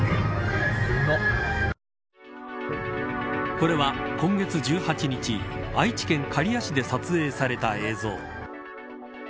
これは今月１８日愛知県刈谷市で撮影された映像。